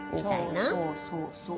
そうそうそうそう。